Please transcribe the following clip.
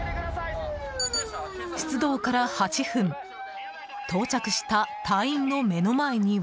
出動から８分到着した隊員の目の前には。